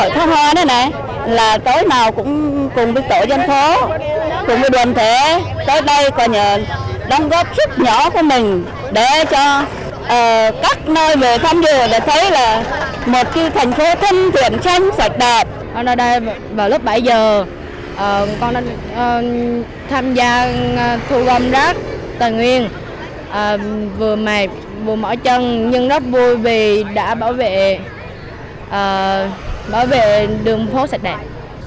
thu gom rác tài nguyên vừa mệt vừa mỏi chân nhưng rất vui vì đã bảo vệ đường phố sạch đẹp